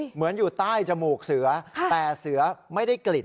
เหมือนต้ายจมูกเสือแต่เสือไม่ได้กลิ่น